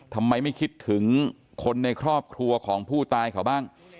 ทำไมไม่คิดถึงคนในครอบครัวของผู้ตายเขาบ้าง